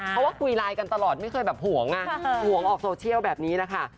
เพราะว่าคุยไลน์กันตลอดไม่เคยแบบห่วงห่วงออกโซเชียลแบบนี้นะคะ